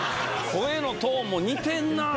声のトーンも似てんなぁ。